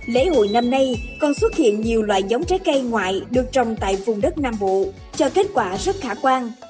lễ hội năm nay còn xuất hiện nhiều loại giống trái cây ngoại được trồng tại vùng đất nam bộ cho kết quả rất khả quan